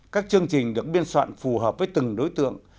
các chương trình được biên soạn phù hợp với từng đối tượng